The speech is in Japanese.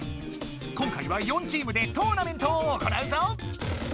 今回は４チームでトーナメントを行うぞ！